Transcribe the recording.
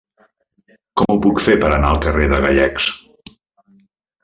Com ho puc fer per anar al carrer de Gallecs?